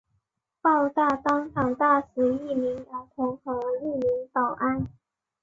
爆炸当场炸死一名儿童和一名保安。